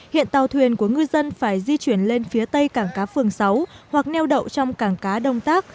hiện tàu thuyền của ngư dân phải di chuyển lên phía tây cảng cá phường sáu hoặc neo đậu trong cảng cá đông tác